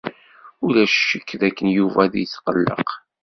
Ulac ccek dakken Yuba ad yetqelleq.